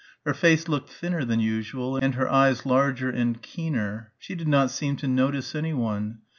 Her face looked thinner than usual and her eyes larger and keener. She did not seem to notice anyone.